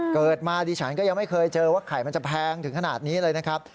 เกิดมาดิฉันก็ยังไม่เคยเจอว่าไข่มันจะแพงถึงขนาดนี้เลยนะครับ